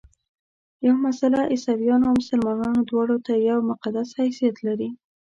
یوه مسله عیسویانو او مسلمانانو دواړو ته یو مقدس حیثیت لري.